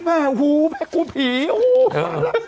โอ้โฮแม่กลูกผีโอ้โฮ